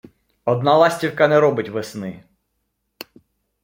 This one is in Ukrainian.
Одна ластівка не робить весни.